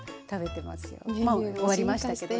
もう終わりましたけどね。